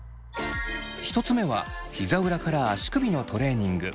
１つ目はひざ裏から足首のトレーニング。